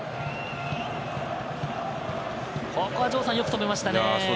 ここは城さん、よく止めましたね。